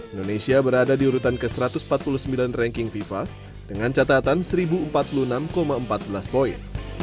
indonesia berada di urutan ke satu ratus empat puluh sembilan ranking fifa dengan catatan seribu empat puluh enam empat belas poin